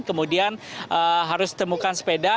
kemudian harus temukan sepeda